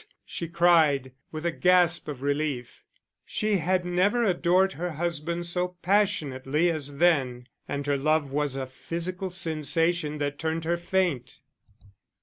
she cried, with a gasp of relief. She had never adored her husband so passionately as then, and her love was a physical sensation that turned her faint.